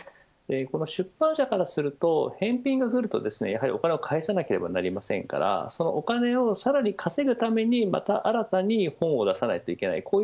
出版社からすると返品が来るとお金を返さなければなりませんからそのお金をさらに稼ぐためにまた新たに本を出さないといけない